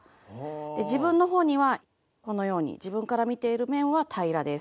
自分のほうにはこのように自分から見ている面は平らです。